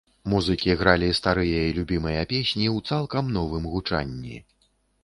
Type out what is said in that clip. Музыкі гралі старыя і любімыя песні ў цалкам новым гучанні.